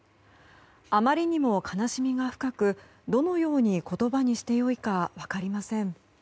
あまりにも悲しみが深くどのように言葉にして良いか分かりません。